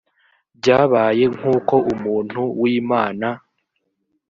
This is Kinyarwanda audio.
byabaye nk’ uko umuntu w’imana